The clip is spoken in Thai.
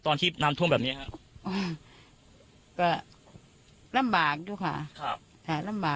ตอนที่น้ำถุ้มแบบเนี้ยค่ะรำบากอยู่ค่ะครับอ่ะ